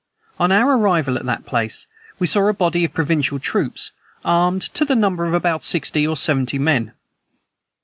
On our arrival at that place, we saw a body of provincial troops, armed, to the number of about sixty or seventy men.